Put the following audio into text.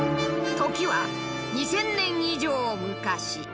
時は２０００年以上昔。